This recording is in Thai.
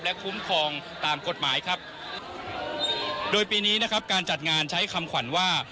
และคุ้มครองตามกฎหมายครับโดยปีนี้นะครับการจัดงานใช้คำขวัญว่า